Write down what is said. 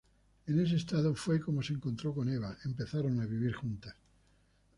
En ese estado fue como se encontró con Eva, empezaron a vivir juntas.